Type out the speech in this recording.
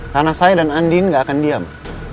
karena saya dan andien gak akan diam